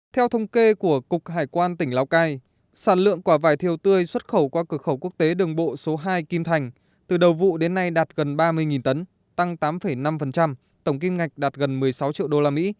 theo thông kê của cục hải quan tỉnh lào cai sản lượng quả vải thiều tươi xuất khẩu qua cửa khẩu quốc tế đường bộ số hai kim thành từ đầu vụ đến nay đạt gần ba mươi tấn tăng tám năm tổng kim ngạch đạt gần một mươi sáu triệu usd